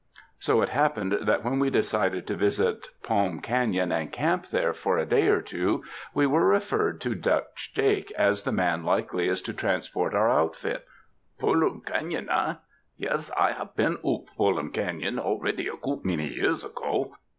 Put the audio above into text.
"^ So it happened when we decided to visit Palm Canon and camp there for a day or two, we were referred to Dutch Jake as the man likeliest to trans port our outfit, ^'Pollum Canon, eh? Yes, I haf been oop Folium Canon already a goot many years ago.